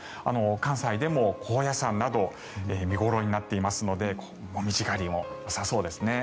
関西でも高野山など見頃になっていますのでモミジ狩りもよさそうですよね。